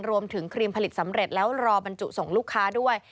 ครีมผลิตสำเร็จแล้วรอบรรจุส่งลูกค้าด้วย